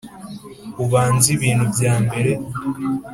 ubanza ibintu byambere